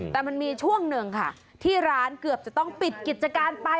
แต่มันมีช่วงหนึ่งค่ะที่ร้านเกือบจะต้องปิดกิจการไป